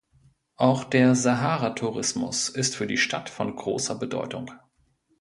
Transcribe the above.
Auch der Sahara-Tourismus ist für die Stadt von großer Bedeutung.